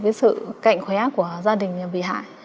cái sự cạnh khóe của gia đình bị hại